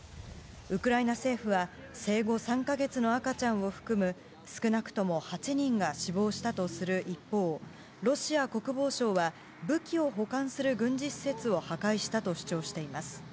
ウクライナ政府は、生後３か月の赤ちゃんを含む、少なくとも８人が死亡したとする一方、ロシア国防省は、武器を保管する軍事施設を破壊したと主張しています。